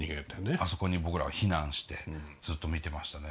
あそこに僕らは避難してずっと見てましたね。